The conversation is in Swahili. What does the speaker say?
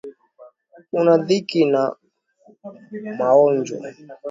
Una dhiki na maonjo